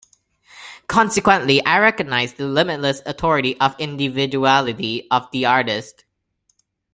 Consequently I recognize the limitless authority of individuality of the artist ...